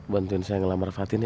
bantuin saya ngelamar fatin ya